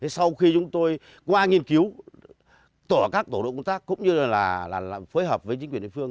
sau khi chúng tôi qua nghiên cứu tổ các tổ đội công tác cũng như là phối hợp với chính quyền địa phương